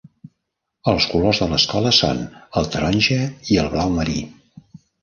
Els colors de l'escola són el taronja i el blau marí.